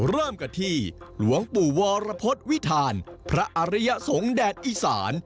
เริ่มกันที่หลวงปู่วรพฤษวิทานพระอริยสงฆ์แดดอีสาน